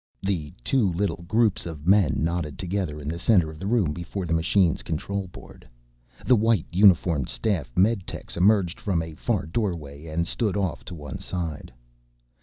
The two little groups of men knotted together in the center of the room, before the machine's control board. The white uniformed staff meditechs emerged from a far doorway and stood off to one side.